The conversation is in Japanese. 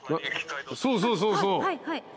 そうそうそうそう。